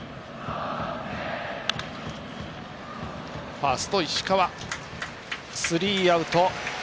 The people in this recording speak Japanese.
ファーストの石川つかんでスリーアウト。